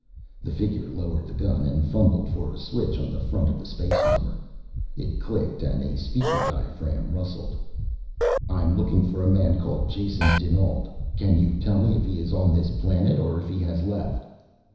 The figure lowered the gun and fumbled for a switch on the front of the space armor, it clicked and a speaker diaphragm rustled. "I'm looking for a man called Jason dinAlt. Can you tell me if he is on this planet or if he has left?"